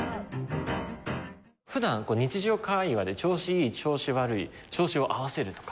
普段日常会話で「調子いい」「調子悪い」「調子を合わせる」とか。